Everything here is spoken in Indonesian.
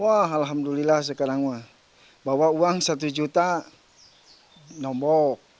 wah alhamdulillah sekarang bawa uang rp satu nombok